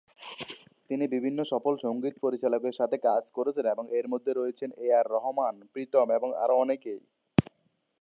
তিনি বিভিন্ন সফল সঙ্গীত পরিচালকের সাথে কাজ করেছেন এর মধ্যে রয়েছেন এ আর রহমান, প্রীতম এবং আরো অনেকে।